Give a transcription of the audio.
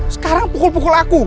sekarang pukul pukul aku